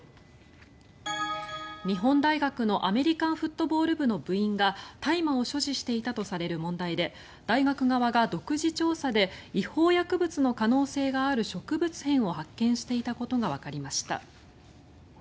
日本大学のアメリカンフットボール部の部員が大麻を所持していたとされる問題で大学側が独自調査で違法薬物の可能性がある植物片を発見していたことがわかりました。